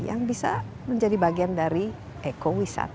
yang bisa menjadi bagian dari ekowisata